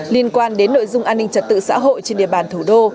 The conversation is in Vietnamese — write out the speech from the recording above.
liên quan đến nội dung an ninh trật tự xã hội trên địa bàn thủ đô